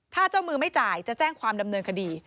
ถ้าเจ้ามือไม่จ่ายจะแจ้งความดำเนินคดี